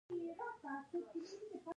د انځر او عناب کور.